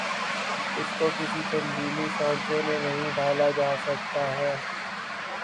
اس کو کسی تنظیمی سانچے میں نہیں ڈھا لا جا سکتا ہے۔